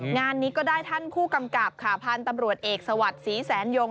งานนี้ก็ได้ท่านผู้กำกับค่ะพันธุ์ตำรวจเอกสวัสดิ์ศรีแสนยง